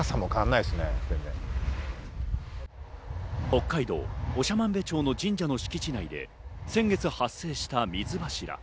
北海道・長万部町の神社の敷地内で先月発生した水柱。